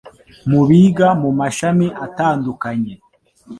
Mu biga mu mashami atandukanye